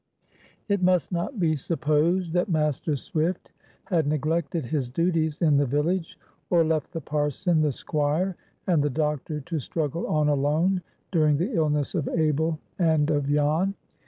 It must not be supposed that Master Swift had neglected his duties in the village, or left the Parson, the Squire, and the doctor to struggle on alone, during the illness of Abel and of Jan.